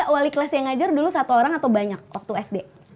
wali kelas yang ngajar dulu satu orang atau banyak waktu sd